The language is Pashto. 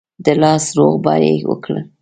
د لاس روغبړ یې وکړ.